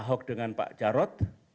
ahok dengan pak jarod